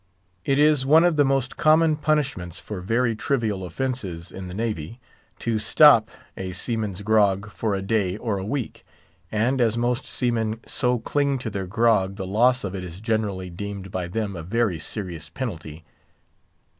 It is one of the most common punishments for very trivial offences in the Navy, to "stop" a seaman's grog for a day or a week. And as most seamen so cling to their grog, the loss of it is generally deemed by them a very serious penalty.